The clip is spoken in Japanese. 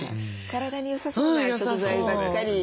体によさそうな食材ばっかりですよね。